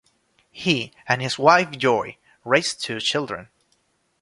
He and his wife Joy raised two children.